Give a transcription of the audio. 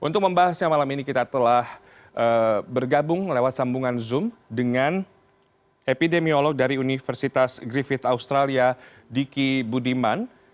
untuk membahasnya malam ini kita telah bergabung lewat sambungan zoom dengan epidemiolog dari universitas griffith australia diki budiman